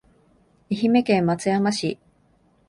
愛媛県松山市